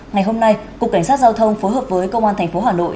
ngày hôm nay cục cảnh sát giao thông phối hợp với công an tp hà nội